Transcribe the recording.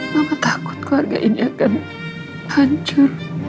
mama takut keluarga ini akan hancur